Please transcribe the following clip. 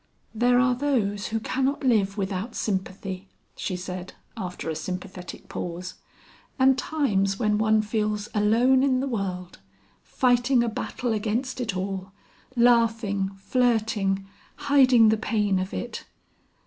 "There are those who cannot live without sympathy," she said after a sympathetic pause. "And times when one feels alone in the world. Fighting a battle against it all. Laughing, flirting, hiding the pain of it...."